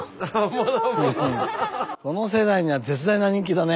この世代には絶大な人気だね。